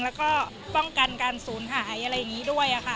แล้วก็ป้องกันการศูนย์หายอะไรอย่างนี้ด้วยค่ะ